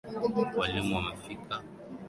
Walimu wamefika.